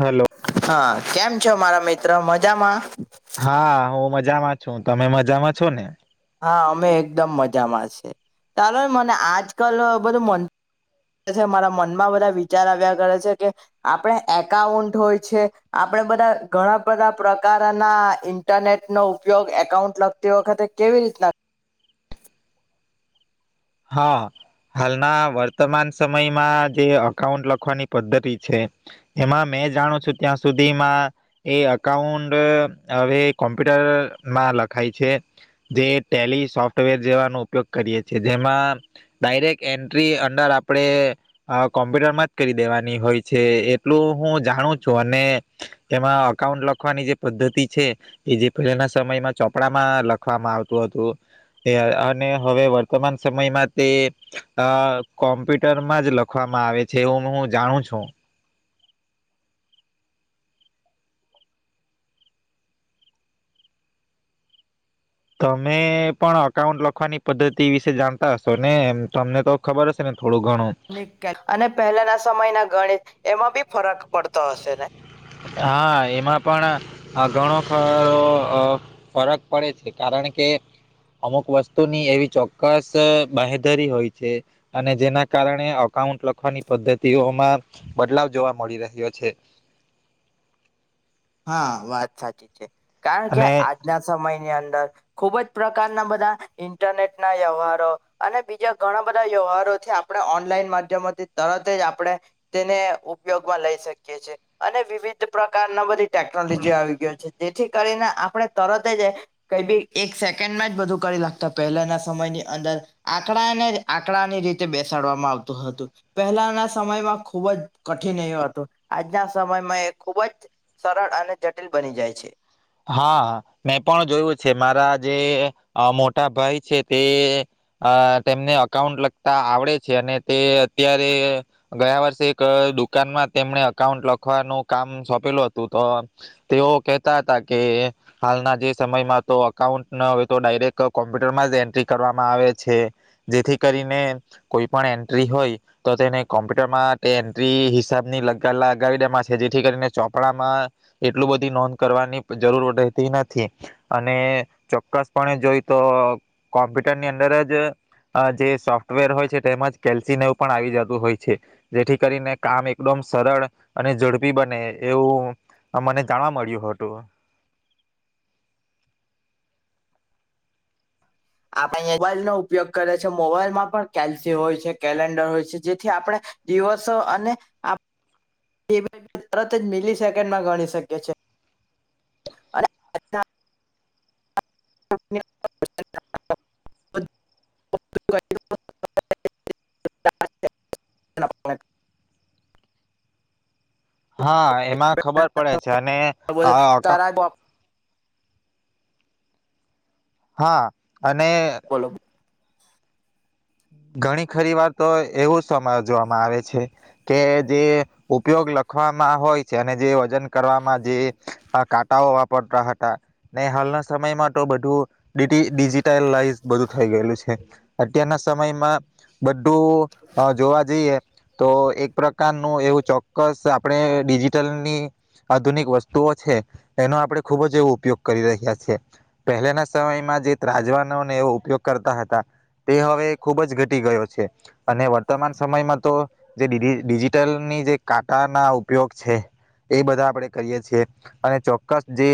Hello હા કેમ છો મારા મિત્ર મજામાં હા હું મજામાં છું તમે મજામાં છો ને હા અમે એકદમ મજામાંશે ચાલો મને આજકાલ બધું મ મારા મનમાં બધા વિચાર આવ્યા કરે છે કે આપણે એકાઉન્ટ હોય છે આપણે બધા ઘણા બધા પ્રકારના ઇન્ટરનેટનોો ઉપયોગ એકાઉન્ટ લગતી વખતે કેવી રીતના હા હાલના વર્તમાન સમયમાં જે અકાઉન્ટ લખવાની પદ્ધતિ છે એમાં મેં જાણું છું ત્યાં સુધીમાં એ અઉન્ટ હવે કોમ્પ્યુટરમાં લખાય છે જે ટેલ સોફ્ટવેર જેવાનો ઉપયોગ કરીએ છે જેમાં ડાયરેક્ટ એન્ટ્રી અંડર આપણે કોમ્પ્યુટરમાં જ કરી દેવાની હોય છે એટલું હું જાણું છું અને એમાં અકાઉન્ટ લખવાની જે પદ્ધતિ છે એ જે પહેલાના સમયમાં ચોપડામાં લખવામાં આવતું હતું અને હવે વર્તમાન સમયમાં તે અ કોમ્પ્યુટરમાં જ લખવામાં આવે છે એવું હું જાણું છું તમે પણ અકાઉન્ટ લખવાની પદ્ધતિ વિશે જાણતા હશો નેમ તમને તો ખબર હશે ને થોડું ઘણું અને પહેલાના સમયના ગણિત એમાં બી ફરક પડતો હશે ને હા એમાં પણ ઘણો ખ ફરક પડે છે કારણ કે અમુક વસ્તુની એવી ચોક્કસ બાહેધરી હોય છે અને જેના કારણે અકાઉન્ટ લખવાની પદ્ધતિઓમાં બદલાવ જોવા મળી રહ્યો છે હા વાત સાચી છે કારણ કે અને આજના સમયની અંદર ખુબ જ પ્રકારના બધા ઇન્ટરનેટ ના વ્યવહારો અને બીજા ઘણા બધા વ્યવહારોથી આપણે ઓનલાઈન માધ્યમોથી તરત જ આપણે તેને ઉપયોગમાં લઈ શકીય છીએ અને વિવિધ પ્રકારના બધી ટેકનોલોજી આવી ગયો છે જેથી કરીને આપણે તરત જ કઈ બી એક સેકન્ડના જ બધું કરી લાગતા પહેલાના સમયની અંદર આંકડાને આંકડાની રીતે બેસાડવામાં આવતું હતું પહેલાના સમયમાં ખૂબ જ કઠિન એ હતો આજના સમયમાં એ ખૂબ જ સરળ અને જટિલ બની જાય છે. હા મેં પણ જોયું છે મારા જે મોટા ભાઈ છે તે તેમને અકાઉન્ટ લખતા આવડે છે અને તે અત્યારે ગયા વર્ષે એક દુકાનમાં તેમને અકાઉન્ટ લખવાનું કામ સોંપેલું હતું તો તેઓ કહેતા હતા કે હાલના જે સમયમાં તો અકાઉન્ટ તો ડાયરેક્ટ કોમ્પ્યુટરમાં જ એન્ટ્રી કરવામાં આવે છે જેથી કરીને કોઈ પણ એન્ટ્રી હોય તો તેને કોમ્પ્યુટરમાં તે એન્ટ્રી હિસાબની લ લગાવી દેવામાં છે જેથી કરીને ચોપડામાં એટલું બધી નોંધ કરવાની જરૂર રહેતી નથી અને ચોક્કસપણે જોઈ તો કોમ્પ્યુટરની અંદર જે સોફ્ટવેર હોય છે તેમાંજ કેલ્સીિનેવ પણ આવી જતું હોય છે જેથી કરીને કામ એકદમ સરળ અને ઝડપી બને એવું મને જાણવા મળ્યું હતું. આપણે મોબાઈલનો ઉપયોગ કરે છે મોબાઈલમાં પણ કેલ્સી હોય છે કેલેન્ડર હોય છે જેથી આપણે દિવસો અને તરત જ મિલી સેકન્ડમાં ગણી શકીએ છીએ. અને. [unintelligible] [unintelligible] હા એમાં ખબર પડે છે, અને આ અકા અને હા. અને બોલો ઘણી ખરી વાર તો એવું સમજવામાં આવે છે કે જે ઉપયોગ લખવામાં હોય છે અને જે વજન કરવામાં જે કાંટાઓ વાપરતા હતા ને હાલના સમયમાં તો બધું ડિજિ ડિજિટલાઈઝ બધું થઈ ગયેલું છે અત્યારના સમ સમયમાં બધું જોવા જઈએ તો એક પ્રકારનું એવું ચોક્કસ આપણે ડિજિટલની આધુનિક વસ્તુઓ છે એનો આપણે ખુબ જ ઉપયોગ કરી રહ્યા છીએ, પહેલાના સમયમાં જે ત્રાજવાનોને એવો ઉપયોગ કરતા હતા તે હવે ખૂબ જ ઘટી ગયો છે, અને વર્તમાન સમયમાં તો જે ડિ ડિજિટલની જે કાંટાના ઉપયોગ છે, એ બધા આપણે કરીએ છીએ અને ચોક્કસ જે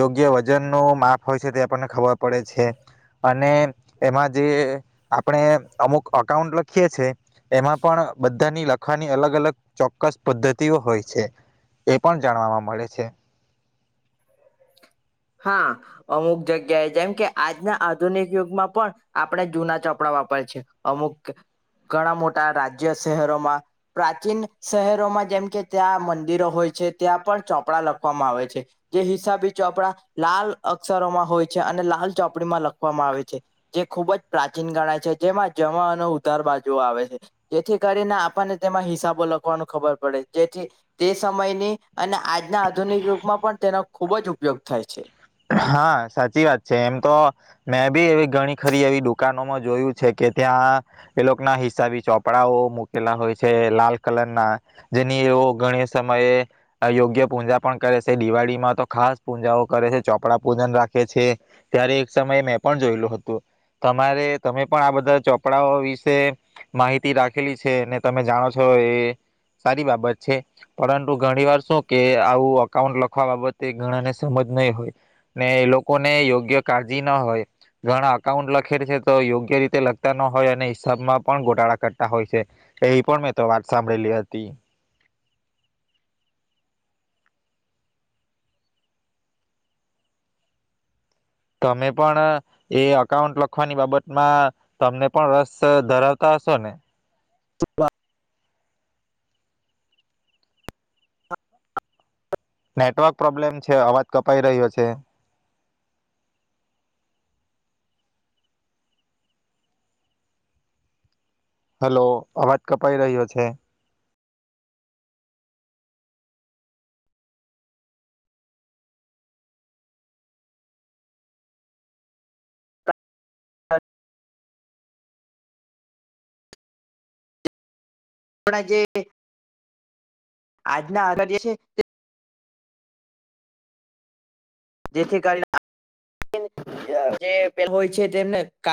યોગ્ય વજનનું માપ હોય છે, તે આપણને ખબર પડે છે, અને એમાં જે આપ અમુક અકાઉન્ટ લખીએ છે, એમાં પણ બધાની લખવાની અલગ અલગ ચોક્કસ પદ્ધતિઓ હોય છે, એ પણ જાણવાવામાં મળે છે. હા અમુક જગ્યાએ જેમ કે આજના આધુનિક યુગમાં પણ આપણે જુના ચોપડા વાપરે છે, અમુક ઘણા મોટા રાજ્ય શહેરોમાં પ્રાચીન શહેરોમાં જેમ કે ત્યાં મંદિરો હોય છે, ત્યાં પણ ચોપડા લખવામાં આવે છે, જે હિસાબી ચોપડા લાલ અક્ષરોમાં હોય છે, અને લાલ ચોપડીમાં લખવામાં આવે છે, જે ખૂબ જ પ્રાચીન ગણાય છે, જેમાં જમા અને ઉધાર બાજુ આવે છે, જેથી કરીને આપણને તેમાં હિસાબો લખવાનું ખબર પડે જેથી તે સમયની અને આજના આધુનિક યુગમાં પણ તેનો ખુબ જ ઉપયોગ થાય [inaudible] હા સાચી વાત છે, એમ તો મેં બી એવી ઘણી ખરી એવી દુકાનોમાં જોયું છે કે ત્યાં એ લોકો ના હિસાબી ચોપડાઓ મૂકેલા હોય છે, લાલ કલર ના જેની ઘણી સમયે યોગ્ય પૂજા પણ કરે છે, દિવાળીમાં તો ખાસ પૂજાઓ કરે છે ચોપડા પૂજન રાખે છે, ત્યારે એક સમયે મેં પણ જોયેલું હતું તમારે તમે પણ આ બધા ચોપડાઓ વિશે માહિતી રાખેલી છે, ને તમે જાણો છો એ સારી બાબત છે, પરંતુ ઘણી વાર શું કે આવું અકાઉન્ટ લખવા બાબતે ગણાને સમજ નહીં હોય ને એ લોકોને યોગ્ય કાળજી ના હોય ઘણા અકાઉન્ટ લખે છે, તો યોગ્ય રીતે લખતા ન હોય અને હિસાબમાં પણ ગોટાળા કરતા હોય છે, એ પણ મેં તો વાત સાંભળેલી હતી. તમે પણ એ અકાઉન્ટ લખવાની બાબતમાં તમને પણ રસ ધરાવતા હશો ને. [unintelligible] નેટવર્ક પ્રોબ્લેમ છે, અવાજ કપાઈ રહ્યો છે. હલો અવાજ કપાઈ રહ્યો છે. આપણા જે આજના [unintelligible] છે જે જેથી કરી ને [unintelligible] જે પેલું હોય છે, તેમને